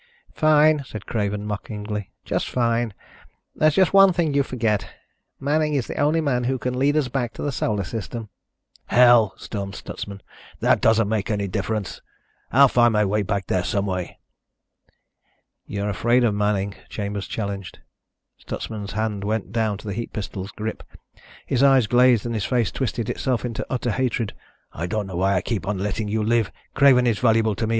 "Fine," said Craven, mockingly, "just fine. There's just one thing you forget. Manning is the only man who can lead us back to the Solar System." "Hell," stormed Stutsman, "that doesn't make any difference. I'll find my way back there some way." "You're afraid of Manning," Chambers challenged. Stutsman's hand went down to the heat pistol's grip. His eyes glazed and his face twisted itself into utter hatred. "I don't know why I keep on letting you live. Craven is valuable to me.